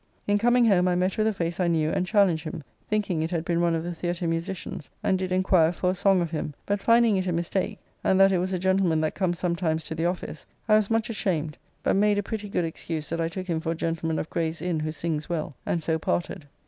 In coming home I met with a face I knew and challenged him, thinking it had been one of the Theatre musicians, and did enquire for a song of him, but finding it a mistake, and that it was a gentleman that comes sometimes to the office, I was much ashamed, but made a pretty good excuse that I took him for a gentleman of Gray's Inn who sings well, and so parted.